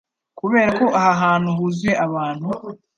kubera ko aha hantu huzuye abantu